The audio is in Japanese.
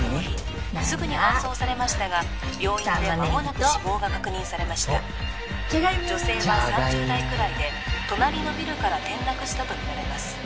すぐに搬送されましたが病院で間もなく死亡が確認されました女性は３０代くらいで隣のビルから転落したとみられます